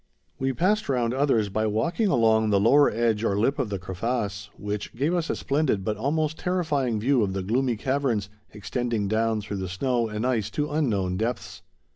We passed round others by walking along the lower edge or lip of the crevasse, which gave us a splendid but almost terrifying view of the gloomy caverns, extending down through the snow and ice to unknown depths.